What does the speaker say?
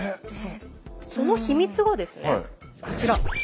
その秘密がですねこちら。